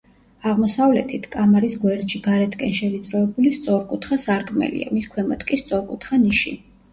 აღმოსავლეთით, კამარის გვერდში გარეთკენ შევიწროებული სწორკუთხა სარკმელია, მის ქვემოთ კი სწორკუთხა ნიში.